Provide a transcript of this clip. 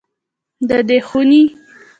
د دې خونې